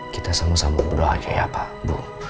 kita sama sama berdoa aja ya pak bu